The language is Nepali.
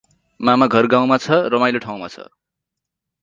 मामाघर गाउँमा छ, रमाइलो ठाउँमा छ ।